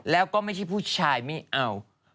แล้วก็ไม่ใช่ผู้ชายไม่เอา